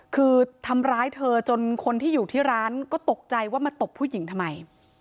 คือทำร้ายเธอจนคนที่อยู่ที่ร้านก็ตกใจว่ามาตบผู้หญิงทำไม